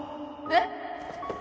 えっ？